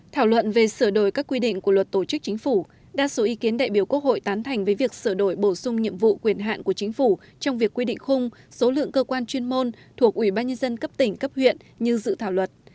thảo luận về sửa đổi các quy định của luật tổ chức chính phủ đa số ý kiến đại biểu quốc hội tán thành với việc sửa đổi bổ sung nhiệm vụ quyền hạn của chính phủ trong việc quy định khung số lượng cơ quan chuyên môn thuộc ủy ban nhân dân cấp tỉnh cấp huyện như dự thảo luật